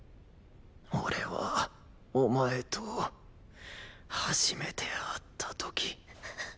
俺はお前と初めて会った時。